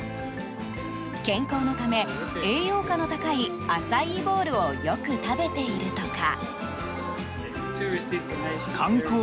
健康のため栄養価の高いアサイーボウルをよく食べているとか。